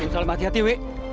insya allah hati hati we